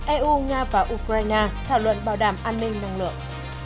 eu nga và ukraine thảo luận bảo đảm an ninh năng lượng